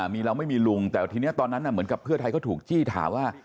มีเราไม่มีลุงแต่ทีนี้ตอนนั้นเหมือนกับเพื่อไทยเขาถูกจี้ถามว่า